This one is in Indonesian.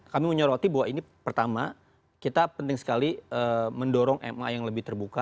kami menyoroti bahwa ini pertama kita penting sekali mendorong ma yang lebih terbuka